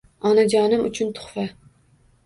Onajonim uchun tuxfa